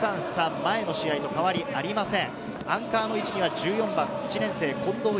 前の試合と変わりありません。